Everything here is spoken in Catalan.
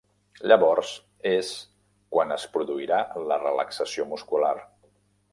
Llavors és quan es produirà la relaxació muscular.